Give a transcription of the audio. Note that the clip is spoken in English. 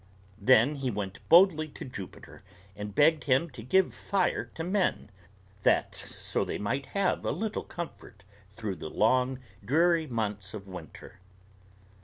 Then he went boldly to Jupiter and begged him to give fire to men, that so they might have a little comfort through the long, dreary months of winter.